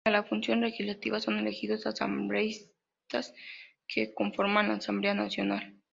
Para la Función Legislativa son elegidos asambleístas que conformarán la Asamblea Nacional.